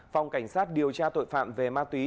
phòng cảnh sát điều tra tội phạm về ma túy